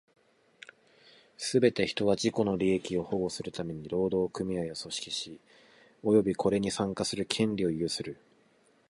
すべて人は、自己の利益を保護するために労働組合を組織し、及びこれに参加する権利を有する。